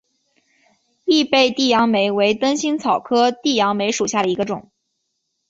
异被地杨梅为灯心草科地杨梅属下的一个种。